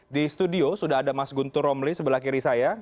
di studio sudah ada mas guntur romli sebelah kiri saya